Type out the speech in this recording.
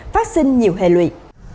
phát sinh nhiều hệ lụy